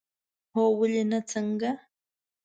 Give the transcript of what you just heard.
هو، ولې نه، څنګه؟